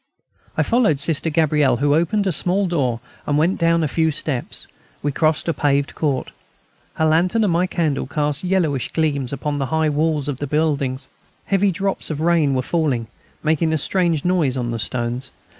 I followed Sister Gabrielle, who opened a small door, and went down a few steps; we crossed a paved court. Her lantern and my candle cast yellowish gleams upon the high walls of the buildings. Heavy drops of rain were falling, making a strange noise on the stones.